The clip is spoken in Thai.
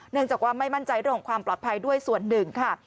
จากว่าไม่มั่นใจเรื่องของความปลอดภัยด้วยส่วนหนึ่งค่ะ